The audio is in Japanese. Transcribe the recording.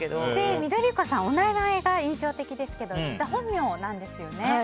緑子さんはお名前が印象的ですけど実は本名なんですよね。